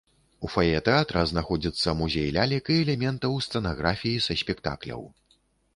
У фае тэатра знаходзіцца музей лялек і элементаў сцэнаграфіі са спектакляў.